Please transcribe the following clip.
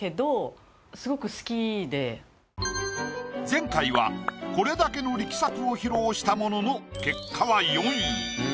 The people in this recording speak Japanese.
前回はこれだけの力作を披露したものの結果は４位。